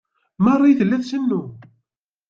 Marie tella tcennu.